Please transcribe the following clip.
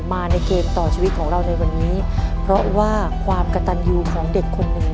มาในเกมต่อชีวิตของเราในวันนี้เพราะว่าความกระตันยูของเด็กคนหนึ่ง